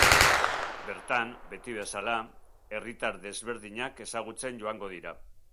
Bertan, beti bezala, herritar desberdinak ezagutzen joango dira.